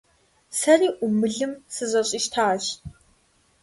Сэри Ӏумылым сызэщӀищтащ.